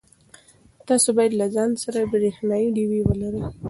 تاسي باید له ځان سره برېښنایی ډېوې ولرئ.